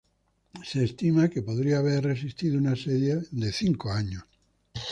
Se estima que podría haber resistido un asedio de cinco años.